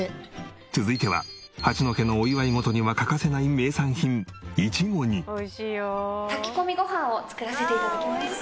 続いては八戸のお祝い事には欠かせない名産品いちご煮。を作らせて頂きます。